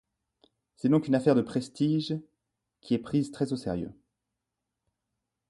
C'est donc une affaire de prestige, qui est prise très au sérieux.